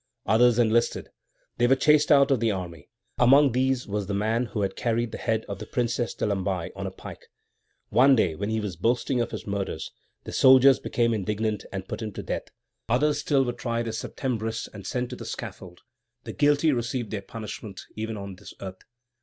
Others enlisted. They were chased out of the army. Among these was the man who had carried the head of the Princess de Lamballe on a pike. One day when he was boasting of his murders, the soldiers became indignant and put him to death. Others still were tried as Septembrists and sent to the scaffold. The guilty received their punishment, even on this earth.